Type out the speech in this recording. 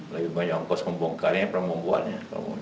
lebih banyak ongkos membongkarnya perempuannya